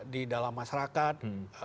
di dalam masyarakat